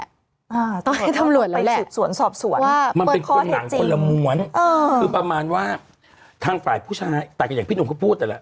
อ่าต้องให้ตำรวจเลยแหละสวนสอบสวนว่าเปิดข้อเท็จจริงมันเป็นความหนังคนละมวลคือประมาณว่าทางฝ่ายผู้ชายแต่กับอย่างพี่นุ่มเขาพูดได้แหละ